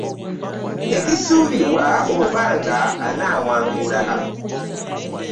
Tekisuubirwa oba nga anaawangula.